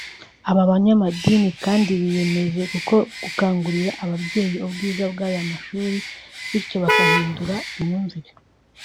Aba banyamadini kandi biyemeje gukangurira ababyeyi ubwiza bw’aya mashuri bityo bagahindura imyumvire